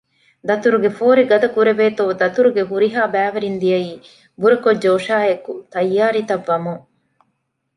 ދަތުރުގެ ފޯރި ގަދަކުރެވޭތޯ ދަތުރުގެ ހުރިހާ ބައިވެރިން ދިޔައީ ބުރަކޮށް ޖޯޝާއެކު ތައްޔާރީ ތައް ވަމުން